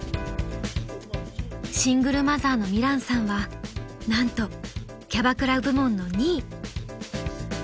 ［シングルマザーの美蘭さんはなんとキャバクラ部門の２位］